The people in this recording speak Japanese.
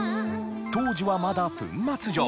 当時はまだ粉末状。